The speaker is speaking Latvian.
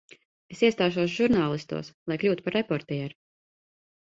Es iestāšos žurnālistos, lai kļūtu par reportieri.